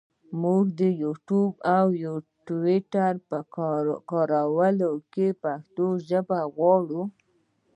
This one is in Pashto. مونږ د یوټوپ او ټویټر په کاریال کې پښتو ژبه غواړو.